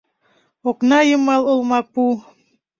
Окна йымал олмапу